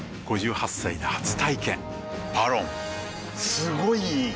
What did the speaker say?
すごい良い！